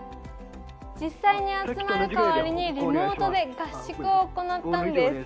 実際に集まる代わりにリモートで合宿を行ったんです。